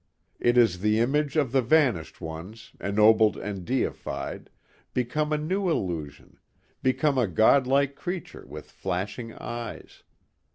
It is the image of the vanished ones, ennobled and deified become a new illusion, become a God like creature with flashing eyes.